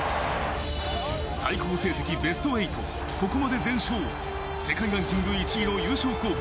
最高成績ベスト８、ここまで全勝、世界ランキング１位の優勝候補